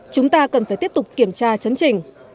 chúng ta cần phải tiếp tục kiểm tra chấn trình